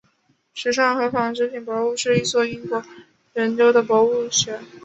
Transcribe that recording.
时尚和纺织品博物馆是一所在英国南伦敦的流行博物馆。